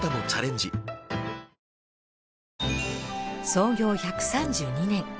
創業１３２年。